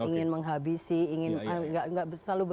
ingin menghabisi nggak selalu begitu